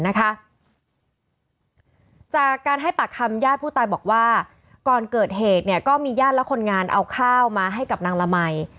จากการให้ปากคำญาติผู้ตายบอกว่าก่อนเกิดเหตุก็มีญาติและคนงานเอาข้าวมาให้กับนางละมัย